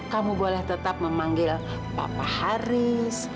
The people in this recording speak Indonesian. kamu boleh tetap memanggil papa haris